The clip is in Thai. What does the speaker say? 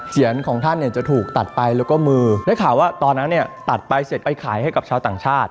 ของท่านเนี่ยจะถูกตัดไปแล้วก็มือได้ข่าวว่าตอนนั้นเนี่ยตัดไปเสร็จไปขายให้กับชาวต่างชาติ